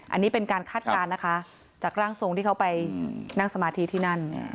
อันนี้เป็นการคาดการณ์นะคะจากร่างทรงที่เขาไปนั่งสมาธิที่นั่น